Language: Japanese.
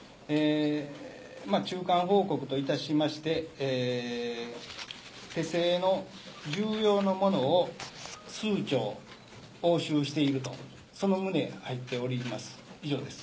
中間報告といたしまして、手製の銃様のものを数丁押収していると、その旨、入っております。